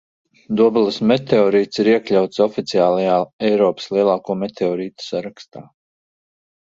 Dobeles meteorīts ir iekļauts oficiālajā Eiropas lielāko meteorītu sarakstā.